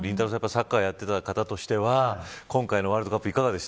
サッカーをやってた方としては今回のワールドカップ